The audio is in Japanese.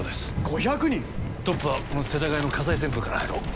トップはこの世田谷の火災旋風から入ろう。